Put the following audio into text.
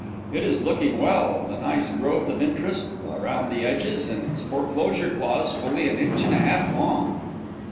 It is looking well, with a nice growth of interest around the edges and its foreclosure clause fully an inch and a half long.